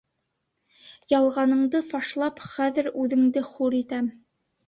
Ялғаныңды фашлап, хәҙер үҙеңде хур итәм!